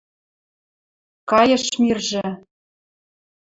каеш миржӹ